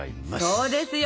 そうですよ！